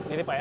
ini pak ya